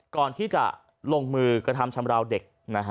ก่อนที่จะลงมือกระทำชำราวเด็ก